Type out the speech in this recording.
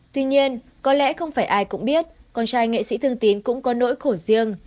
tuy nhiên có lẽ không phải ai cũng biết con trai nghệ sĩ thương tín cũng có nỗi khổ riêng